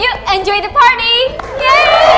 kau gak sudah tahu